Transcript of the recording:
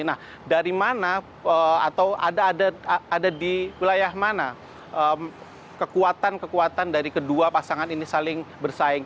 nah dari mana atau ada di wilayah mana kekuatan kekuatan dari kedua pasangan ini saling bersaing